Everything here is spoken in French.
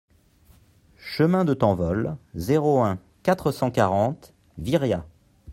Chemin de Tanvol, zéro un, quatre cent quarante Viriat